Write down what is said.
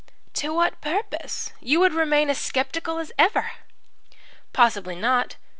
"To what purpose? You would remain as sceptical as ever." "Possibly not.